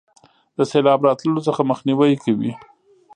د سیلاب راتللو څخه مخنیوي کوي.